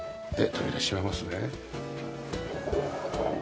扉閉めますね。